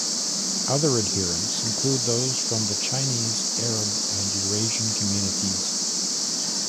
Other adherents include those from the Chinese, Arab and Eurasian communities.